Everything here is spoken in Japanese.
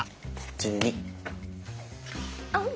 １２！